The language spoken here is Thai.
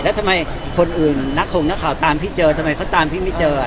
แล้วทำไมคนอื่นนักคงนักข่าวตามพี่เจอทำไมเขาตามพี่ไม่เจอ